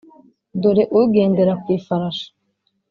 Dore ugendera ku ifarashi